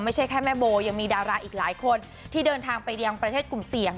ไม่ใช่แค่แม่โบยังมีดาราอีกหลายคนที่เดินทางไปยังประเทศกลุ่มเสี่ยง